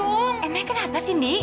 emang kenapa sih di